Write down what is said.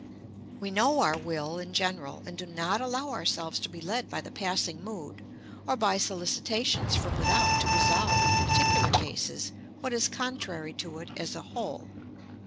We know our will in general, and do not allow ourselves to be led by the passing mood or by solicitations from without to resolve in particular cases what is contrary to it as a whole.